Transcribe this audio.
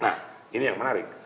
nah ini yang menarik